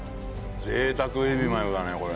贅沢エビマヨだねこれ。